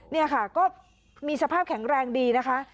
นี่ค่ะก็มีสภาพแข็งแรงดีนะคะ